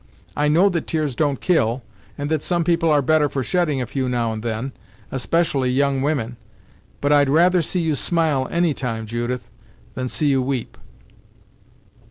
I know that tears don't kill, and that some people are better for shedding a few now and then, especially young women; but I'd rather see you smile any time, Judith, than see you weep."